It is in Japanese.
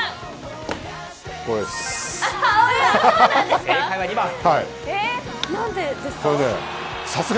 これです。